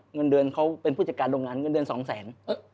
เงินเดือนเขาเป็นผู้จัดการโรงงานเงินเดือนสองแสน